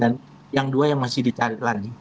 dan yang dua yang masih dicarik lagi